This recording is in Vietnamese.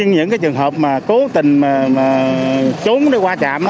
những trường hợp mà cố tình trốn qua trạm